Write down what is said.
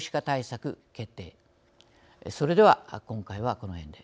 それでは今回はこの辺で。